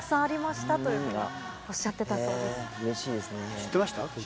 知ってました？